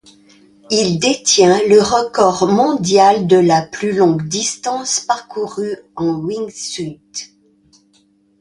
Il détient le record mondial de la plus longue distance parcourue en wingsuit.